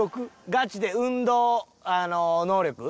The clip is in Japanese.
ガチで運動能力。